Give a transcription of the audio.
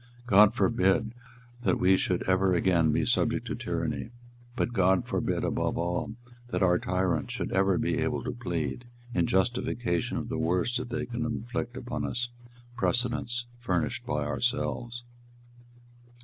God forbid that we should ever again be subject to tyranny! But God forbid, above all, that our tyrants should ever be able to plead, in justification of the worst that they can inflict upon us, precedents furnished by ourselves!"